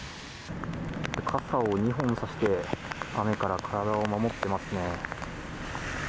傘を２本差して雨から体を守っていますね。